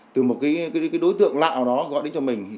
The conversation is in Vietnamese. từ một đối tượng lạ đó gọi đến cho mình